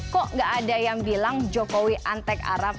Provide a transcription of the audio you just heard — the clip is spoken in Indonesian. kok gak ada yang bilang jokowi antek arab